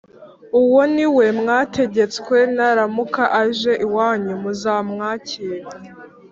Uwo ni we mwategetswe, naramuka aje iwanyu muzamwakire